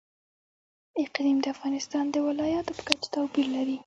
اقلیم د افغانستان د ولایاتو په کچه توپیر لري.